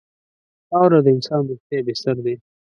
خاوره د انسان وروستی بستر دی.